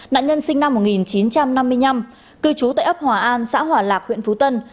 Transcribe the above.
nạn nhân sinh năm một nghìn chín trăm năm mươi năm cư trú tại ấp hòa an xã hòa lạc huyện phú tân